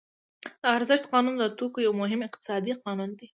د ارزښت قانون د توکو یو مهم اقتصادي قانون دی